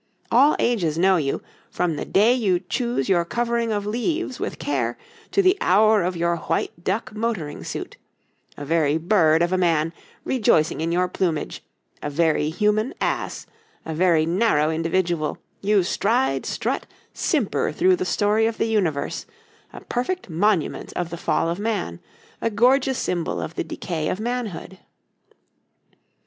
All ages know you, from the day you choose your covering of leaves with care, to the hour of your white duck motoring suit: a very bird of a man, rejoicing in your plumage, a very human ass, a very narrow individual, you stride, strut, simper through the story of the universe, a perfect monument of the Fall of Man, a gorgeous symbol of the decay of manhood.